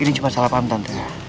ini cuma salah paham tantenya